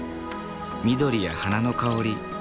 緑や花の香り